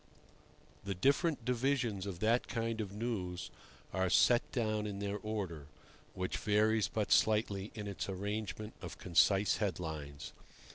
The different divisions of that kind of news are set down in their order, which varies but slightly in its arrangement of concise headlines.